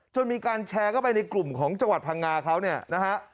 มีการแชร์เข้าไปในกลุ่มของจังหวัดพังงาเขาเนี่ยนะฮะ